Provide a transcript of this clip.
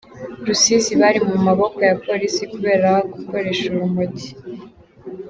Rusizi Bari mu maboko ya Polisi kubera gukoresha urumogi